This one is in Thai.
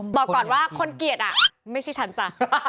บอกก่อนว่าคนเกลียดอ่ะไม่ใช่ฉันจ้ะ